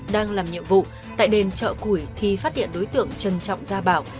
đang làm nhiệm vụ tại đền chợ củi thi phát điện đối tượng trân trọng gia bảo